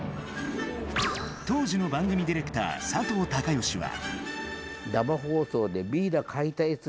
当時の番組ディレクター佐藤孝吉は。